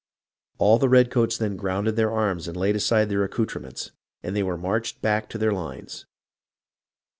All the redcoats then grounded their arms and laid aside their accoutrements, and were marched back to their lines.